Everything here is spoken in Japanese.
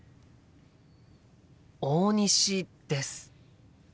大西です。